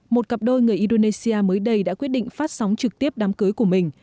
một cặp đôi người indonesia mới đây đã quyết định phát sóng trực tiếp đám cưới của mình